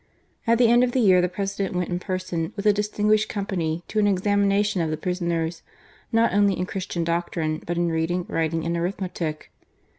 At the end of the year the President went in person, with a distinguished company, to an examination of the prisoners, not only in Christian doctrine, but in reading, writing, and arithmetic.